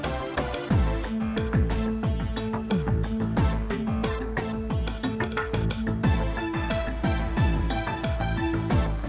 balas dendamnya gak jadi